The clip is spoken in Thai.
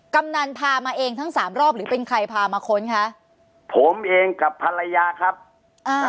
กำนันพามาเองทั้งสามรอบหรือเป็นใครพามาค้นคะผมเองกับภรรยาครับอ่า